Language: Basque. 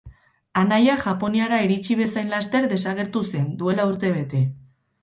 Anaia Japoniara iritsi bezain laster desagertu zen, duela urte bete.